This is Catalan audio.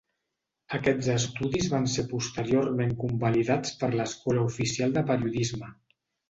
Aquests estudis van ser posteriorment convalidats per l'Escola Oficial de Periodisme.